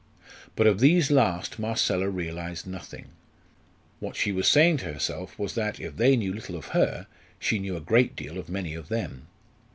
But of these last Marcella realised nothing. What she was saying to herself was that, if they knew little of her, she knew a great deal of many of them.